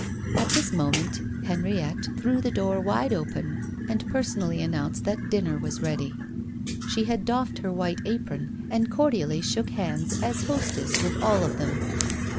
At this moment Henriette threw the door wide open, and personally announced that dinner was ready. She had doffed her white apron, and cordially shook hands, as hostess, with all of them.